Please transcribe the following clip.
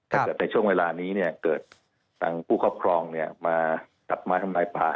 แต่ถ้าในช่วงเวลานี้เนี่ยเกิดตั้งผู้ครอบครองตัดไม้กำลังป่า